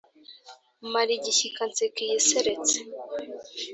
Mare igishyika nseko iyi iseretse.